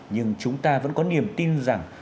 nhưng chúng ta vẫn có niềm tin rằng